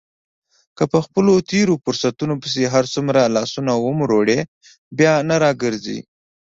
که په خپلو تېرو فرصتونو پسې هرڅومره لاسونه ومروړې بیا نه را ګرځي.